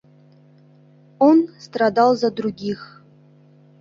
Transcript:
Он страдал за других...